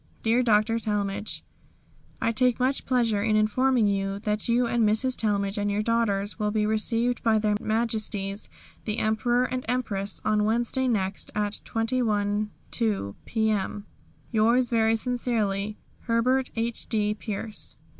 "Dear Dr. Talmage "I take much pleasure in informing you that you and Mrs. Talmage and your daughters will be received by Their Majesties the Emperor and Empress on Wednesday next, at 2½ p.m. "Yours very sincerely, "HERBERT H.D. PIERCE.